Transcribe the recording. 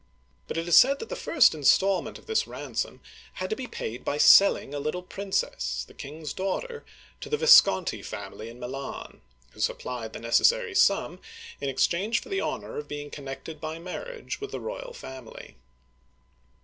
But it is said that the first installment of this ransom had to be raised by selling a little princess — the king's daughter — to the Visconti (vees con'tee) family in Milan, who supplied the necessary sum in exchange for the honor of being con nected by marriage with the royal family.